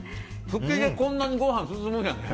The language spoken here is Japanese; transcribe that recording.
フキでこんなにご飯が進むねんね。